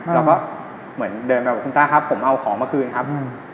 เราก็เหมือนเดินไปบอกคุณต้าครับผมเอาของมาคืนครับ